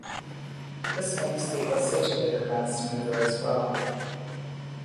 This makes the acidulator run smoother as well.